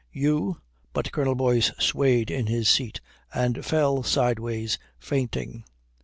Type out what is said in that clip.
You " But Colonel Boyce swayed in his seat and fell sideways fainting.